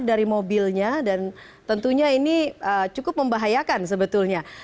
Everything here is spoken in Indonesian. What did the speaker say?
dari mobilnya dan tentunya ini cukup membahayakan sebetulnya